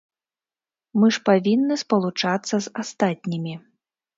Мы ж павінны спалучацца з астатнімі.